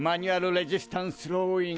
レジスタンス・ローイン。